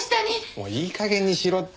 もういい加減にしろって。